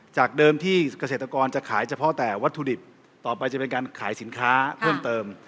จากเดิมที่เกษตรกรจะขายเฉพาะแต่วัตถุดิบต่อไปจะเป็นการขายสินค้าเพิ่มเติม